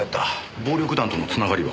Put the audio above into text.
暴力団とのつながりは？